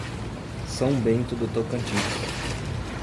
São Bento do Tocantins